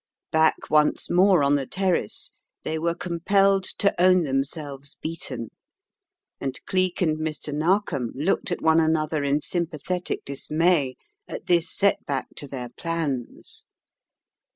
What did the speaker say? Back once more on the terrace they were com pelled to own themselves beaten, and Cleek and Mr. Narkom looked at one another in sympathetic dis may at this set back* to their plans.